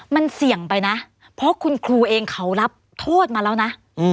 มันเสี่ยงไปนะเพราะคุณครูเองเขารับโทษมาแล้วนะ